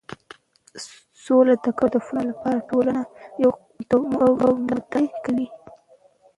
سوله د ګډو هدفونو لپاره ټولنه یو موټی کوي.